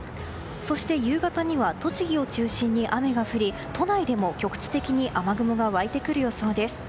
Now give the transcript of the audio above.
そして夕方には栃木を中心に雨が降り都内でも局地的に雨雲が湧いてくる予想です。